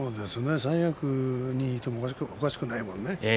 三役にいてもおかしくないもんね。